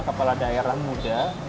kepala daerah muda